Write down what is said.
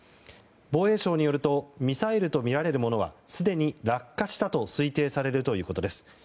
防衛省によるとミサイルとみられるものはすでに落下したと推定されるということです。